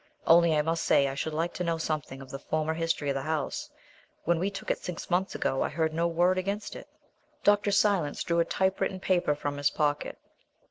Only I must say I should like to know something of the former history of the house. When we took it six months ago I heard no word against it." Dr. Silence drew a typewritten paper from his pocket.